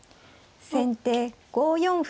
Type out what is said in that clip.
先手５四歩。